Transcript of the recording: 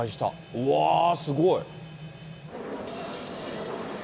うわー、すごい。